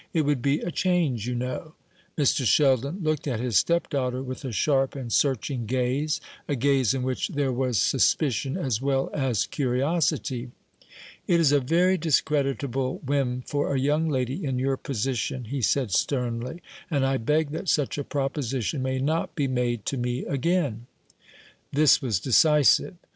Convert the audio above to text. It would be a change, you know." Mr. Sheldon looked at his stepdaughter with a sharp and searching gaze, a gaze in which there was suspicion as well as curiosity. "It is a very discreditable whim for a young lady in your position," he said sternly; "and I beg that such a proposition may not be made to me again." This was decisive.